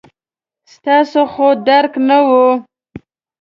ستاسو خو درک نه و.